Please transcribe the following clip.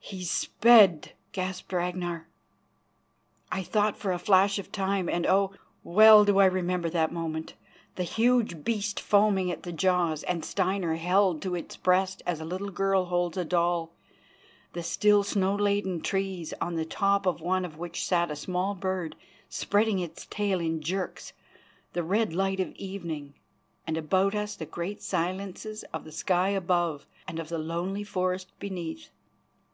"He's sped!" gasped Ragnar. I thought for a flash of time, and oh! well do I remember that moment: the huge beast foaming at the jaws and Steinar held to its breast as a little girl holds a doll; the still, snow laden trees, on the top of one of which sat a small bird spreading its tail in jerks; the red light of evening, and about us the great silences of the sky above and of the lonely forest beneath.